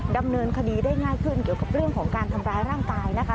ดำเนินคดีได้ง่ายขึ้นเกี่ยวกับเรื่องของการทำร้ายร่างกายนะคะ